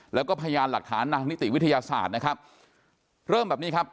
แล้วก็พยานหลักฐานทางนิติวิทยาศาสตร์นะครับเริ่มแบบนี้ครับ